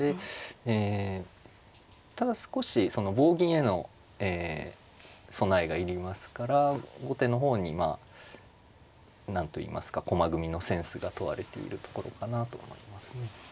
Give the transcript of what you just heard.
ええただ少し棒銀への備えが要りますから後手の方にまあ何といいますか駒組みのセンスが問われているところかなと思いますね。